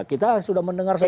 kita sudah mendengar sendiri